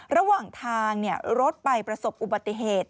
ระหว่างทางรถไปประสบอุบัติเหตุ